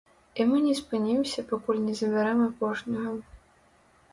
І мы не спынімся, пакуль не забярэм апошняга.